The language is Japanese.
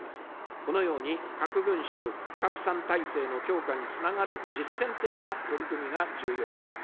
このように核軍縮、不拡散体制の強化につながる実践的な取り組みが重要です。